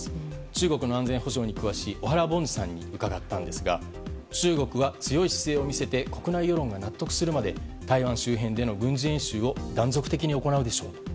中国の安全保障に詳しい小原凡司さんに伺いましたが中国は強い姿勢を見せて国内世論が納得するまで台湾周辺での軍事演習を断続的に行うでしょう。